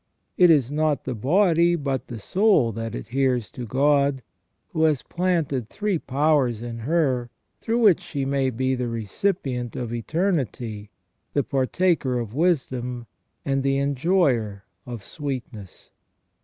It is not the body but the soul that adheres to God, who has planted three powers in her, through which she may be the recipient of eternity, the partaker of wisdom, and the enjoyer of sweetness.